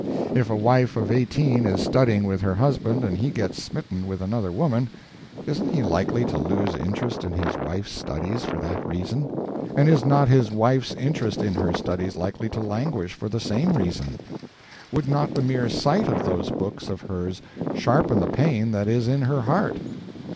If a wife of eighteen is studying with her husband and he gets smitten with another woman, isn't he likely to lose interest in his wife's studies for that reason, and is not his wife's interest in her studies likely to languish for the same reason? Would not the mere sight of those books of hers sharpen the pain that is in her heart?